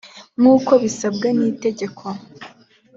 nkuko bisabwa n itegeko